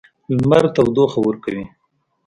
لمر تودوخه ورکوي.